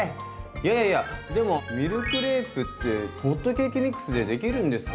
やややでもミルクレープってホットケーキミックスでできるんですか？